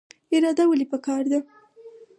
اراده ولې پکار ده؟